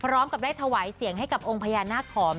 พร้อมกับได้ถวายเสียงให้กับองค์พญานาคขอม